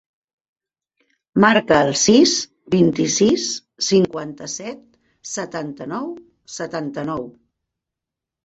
Marca el sis, vint-i-sis, cinquanta-set, setanta-nou, setanta-nou.